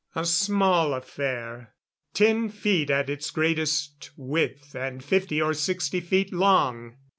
A small affair. Ten feet at its greatest width, and fifty or sixty feet long.